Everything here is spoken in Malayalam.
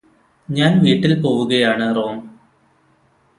ഞാന് വീട്ടില് പോവുകയാണ് റോം